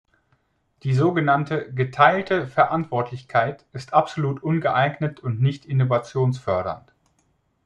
Die sogenannte geteilte Verantwortlichkeit ist absolut ungeeignet und nicht innovationsfördernd.